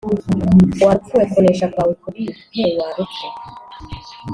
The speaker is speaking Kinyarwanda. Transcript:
Wa rupfu we kunesha kwawe kuri he Wa rupfu